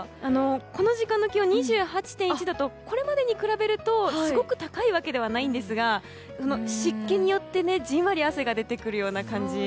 この時間の気温２８．１度とこれまでに比べるとすごく高いわけではないんですが湿気によって、じんわり汗が出てくるような感じ。